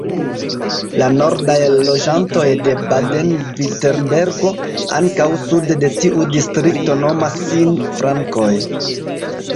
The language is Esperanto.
La nordaj loĝantoj de Baden-Virtembergo ankaŭ sude de tiu distrikto nomas sin Frankoj.